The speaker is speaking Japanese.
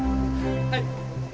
はい。